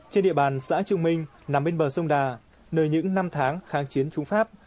trên địa bàn xã trung minh nằm bên bờ sông đà nơi những năm tháng kháng chiến trung pháp